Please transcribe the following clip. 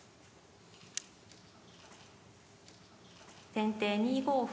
先手２五歩。